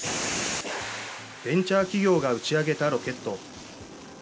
ベンチャー企業が打ち上げたロケット。